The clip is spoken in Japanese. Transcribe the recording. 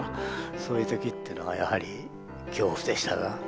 そういう時っていうのはやはり恐怖でしたが。